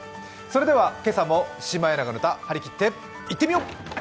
今朝も「シマエナガの歌」、張り切っていってみよう。